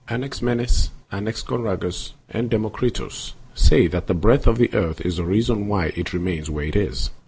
Anaximenes and Anaxagoras and Demokritos say that the breadth of the earth is the reason why it remains where it is.